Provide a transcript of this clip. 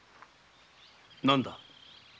何だ？